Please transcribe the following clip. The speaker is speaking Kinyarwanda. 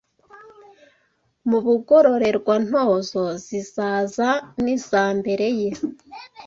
Mu Bugororerwa-ntozo, zizaza n’iza mbere ye